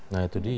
nah itu dia